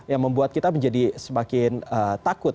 yang membuat kita menjadi semakin takut